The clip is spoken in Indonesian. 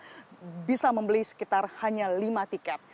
mereka bisa membeli sekitar hanya lima tiket